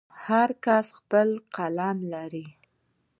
هر کس خپل قلم لري.